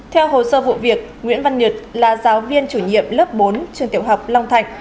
theo hồ sơ vụ việc nguyễn văn nhật là giáo viên chủ nhiệm lớp bốn trường tiểu học long thạch